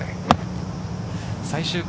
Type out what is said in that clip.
最終組